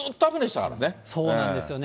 そうなんですよね。